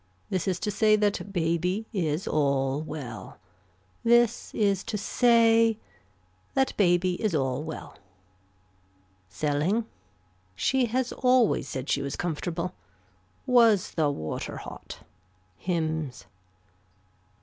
This is to say that baby is all well. This is to say that baby is all well. Selling. She has always said she was comfortable. Was the water hot. Hymns.